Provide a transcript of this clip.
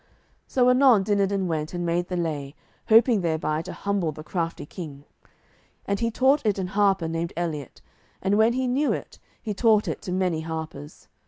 So anon Dinadan went and made the lay, hoping thereby to humble the crafty king; and he taught it an harper named Eliot, and when he knew it, he taught it to many harpers.